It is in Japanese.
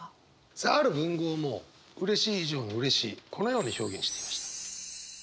さあある文豪もうれしい以上のうれしいこのように表現していました。